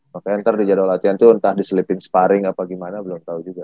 makanya ntar di jadwal latihan tuh entah diselipin sparring atau gimana belum tau juga